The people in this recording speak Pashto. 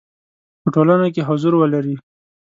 په ټولنه کې حضور ولري.